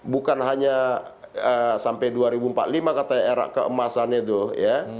bukan hanya sampai dua ribu empat puluh lima katanya era keemasan itu ya